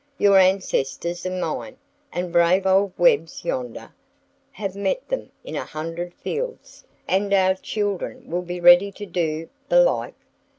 Your ancestors and mine, and brave old Webb's yonder, have met them in a hundred fields, and our children will be ready to do the like.